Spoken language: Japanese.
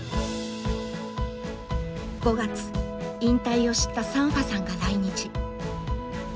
５月引退を知ったサンファさんが来日。